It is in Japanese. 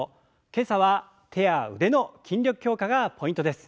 今朝は手や腕の筋力強化がポイントです。